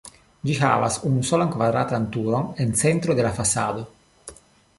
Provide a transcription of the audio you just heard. Ĝi havas unusolan kvadratan turon en centro de la fasado.